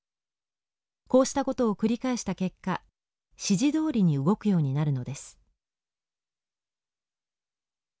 こうしたことを繰り返した結果指示どおりに動くようになるのです。